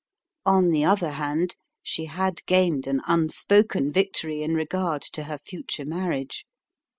On the other hand, she had gained an unspoken victory in regard to her future marriage.